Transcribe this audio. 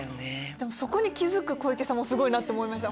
でもそこに気付く小池さんもすごいなって思いました。